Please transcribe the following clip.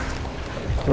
terima kasih ya